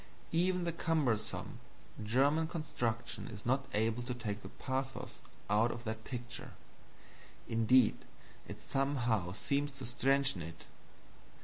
Even the cumbersome German construction is not able to take the pathos out of that picture indeed, it somehow seems to strengthen it.